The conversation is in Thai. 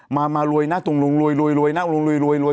มารวยหน้าตุงรุงรวย